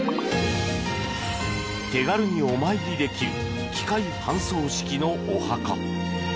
手軽にお参りできる機械搬送式のお墓。